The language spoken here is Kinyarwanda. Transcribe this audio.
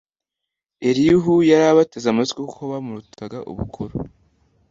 elihu yari abateze amatwi, kuko bamurutaga ubukuru